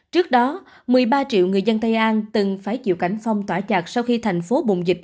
trước đó một mươi ba triệu người dân tây an từng phải chịu cảnh phong tỏa chặt sau khi thành phố bùng dịch